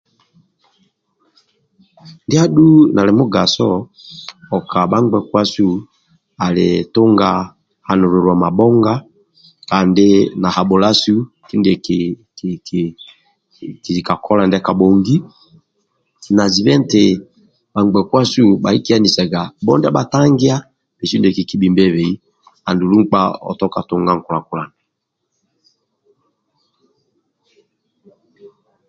Ndia adhu nali mugaso oka bhangbkuasu ali tunga hanulilwa mabhonga kandi na nhabula su kindie ki kili kili ka kola ndia kabhongi na zibe nti bhangbekuasu bhakikianisaga bho ndia bhatangia bhesu ndie kikibhimbebei andulu nkpa otoke tunga nkula-kulana